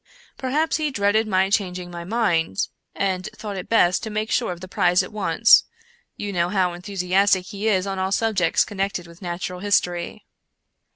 Perhaps he dreaded my changing my mind, and thought it best to make sure of the prize at once — you know how enthusiastic he is on all sub jects connected with Natural History.